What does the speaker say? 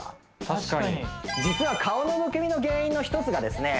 確かに実は顔のむくみの原因の１つがですね